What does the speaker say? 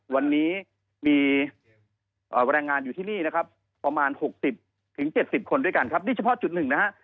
วันนี้มีแรงงานอยู่ที่นี่นะครับประมาณ๖๐๗๐คนด้วยกันครับนี่เฉพาะจุดหนึ่งนะฮะ